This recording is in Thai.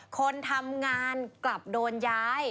คนทำงานกลับโดนย้าย